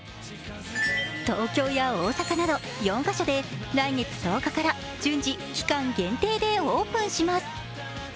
東京や大阪など４か所で来月１０日から順次、期間限定でオープンします。